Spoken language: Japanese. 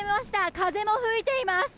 風も吹いています。